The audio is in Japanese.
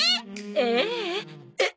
ええ。えっ？